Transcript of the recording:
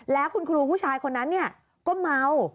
แล้วคุณครูผู้ชายคนนั้นก็เมา